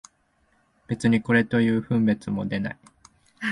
別にこれという分別も出ない